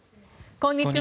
こんにちは。